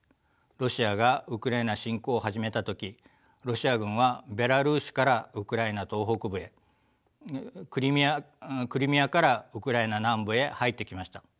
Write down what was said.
ロシアがウクライナ侵攻を始めた時ロシア軍はベラルーシからウクライナ東北部へクリミアからウクライナ南部へ入ってきました。